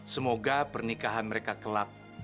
semoga pernikahan mereka kelap